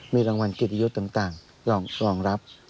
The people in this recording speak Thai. มีรางวัลเกียรติยุทธ์ต่างรองรับ